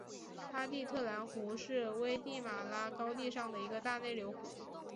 阿蒂特兰湖是危地马拉高地上的一个大内流湖。